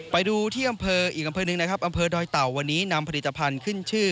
ไปดูที่อำเภออีกอำเภอหนึ่งนะครับอำเภอดอยเต่าวันนี้นำผลิตภัณฑ์ขึ้นชื่อ